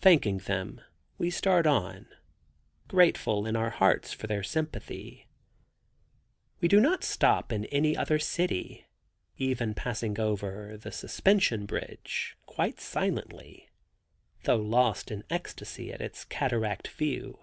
Thanking them, we start on, grateful in our hearts for their sympathy. We do not stop in any other city, even passing over the suspension bridge quite silently, though lost in ecstasy at its cataract view.